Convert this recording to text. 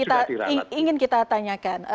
itu yang ingin kita tanyakan